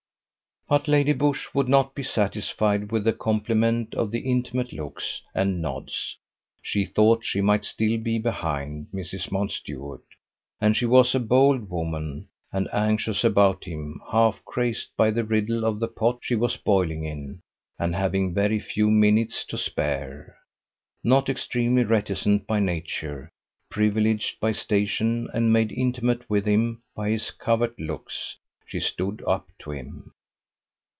But Lady Busshe would not be satisfied with the compliment of the intimate looks and nods. She thought she might still be behind Mrs. Mountstuart; and she was a bold woman, and anxious about him, half crazed by the riddle of the pot she was boiling in, and having very few minutes to spare. Not extremely reticent by nature, privileged by station, and made intimate with him by his covert looks, she stood up to him.